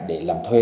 để làm thuê